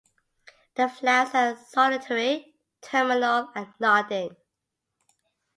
The flowers are solitary, terminal and nodding.